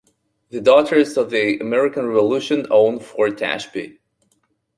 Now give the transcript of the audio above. The Daughters of the American Revolution own Fort Ashby.